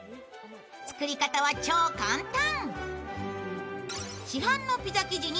作り方は超簡単。